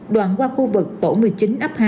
đoạn qua khu vực tổ một mươi chín ấp hai